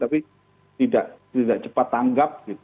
tapi tidak cepat tanggap